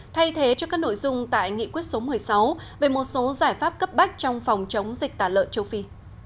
thay thế cho các nội dung tại nghị quyết số một mươi sáu về một số giải pháp cấp bách trong phòng chống dịch tả lợn châu phi